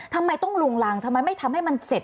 ทำไมต้องลุงรังทำไมไม่ทำให้มันเสร็จ